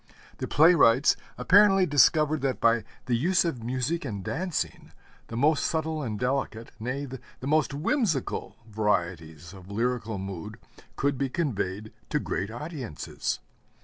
The playwrights apparently discovered that by the use of music and dancing, the most subtle and delicate, nay, the most whimsical varieties of lyrical mood could be conveyed to great audiences.